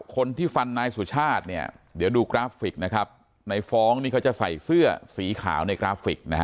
คนที่ฟันนายสุชาติเนี่ยเดี๋ยวดูกราฟิกนะครับในฟ้องนี่เขาจะใส่เสื้อสีขาวในกราฟิกนะฮะ